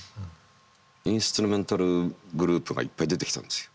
インストゥルメンタルグループがいっぱい出てきたんですよ